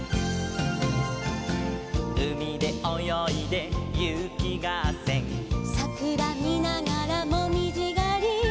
「うみでおよいでゆきがっせん」「さくらみながらもみじがり」